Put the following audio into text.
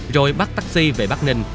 rồi bắt taxi về bắc ninh